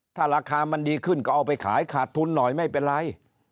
ถ้าราคามันดีขึ้นก็เอาไปขายขาดทุนหน่อยไม่เป็นไร